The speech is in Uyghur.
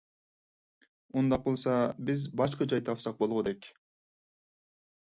ئۇنداق بولسا بىز باشقا جاي تاپساق بولغۇدەك.